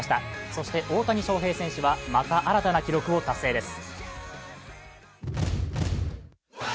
そして、大谷翔平選手はまた新たな記録を達成です。